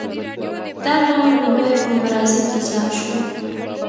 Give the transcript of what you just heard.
دا ناول لومړی په برازیل کې چاپ شو.